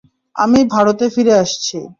আমি ভারতে ফিরে আসছি।